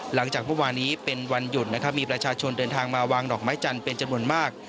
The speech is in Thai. หลังจากเมื่อวานี้เป็นวันหยุดนะครับมีประชาชนเดินทางมาวางดอกไม้จันทร์เป็นจำนวนมาก